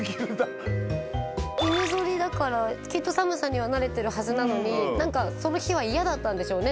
犬ぞりだからきっと寒さには慣れてるはずなのに何かその日は嫌だったんでしょうね